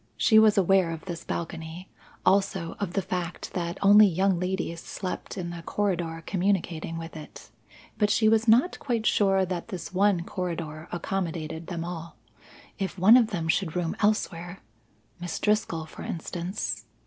She was aware of this balcony, also of the fact that only young ladies slept in the corridor communicating with it. But she was not quite sure that this one corridor accommodated them all. If one of them should room elsewhere! (Miss Driscoll, for instance).